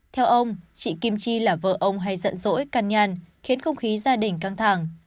theo ông chị kim chi là vợ ông hay giận dỗi căn nhăn khiến không khí gia đình căng thẳng